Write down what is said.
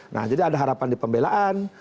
nah jadi ada harapan di pembelaan